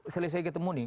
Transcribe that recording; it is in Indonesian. selesai ketemu nih